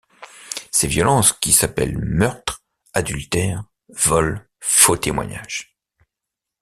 Ces violences qui s'appellent meurtre, adultère, vol, faux témoignage.